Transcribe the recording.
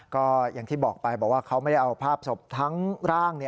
ก็อย่างที่บอกไปบอกว่าเขาไม่ได้เอาภาพศพทั้งร่าง